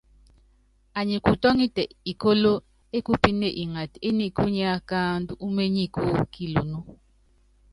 Anyi kutɔ́ŋitɛ ikóló ékupíne ngata éniku ní akáandú uményikú kilunú.